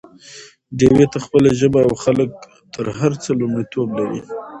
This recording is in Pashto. ډيوې ته خپله ژبه او خلک تر هر څه لومړيتوب لري